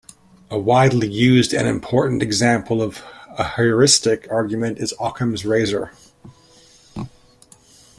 A widely used and important example of a heuristic argument is Occam's Razor.